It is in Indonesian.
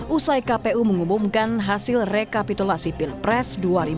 usai kpu mengumumkan hasil rekapitulasi pilpres dua ribu dua puluh empat